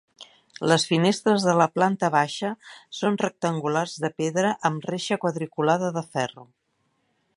Les finestres de la planta baixa són rectangulars de pedra amb reixa quadriculada de ferro.